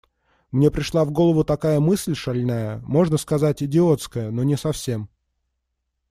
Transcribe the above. Мне пришла в голову такая мысль шальная, можно сказать, идиотская, но не совсем.